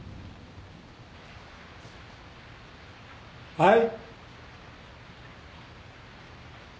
・はい？